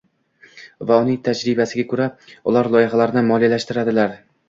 Va uning tajribasiga koʻra, ular loyihalarni moliyalashtiradilar.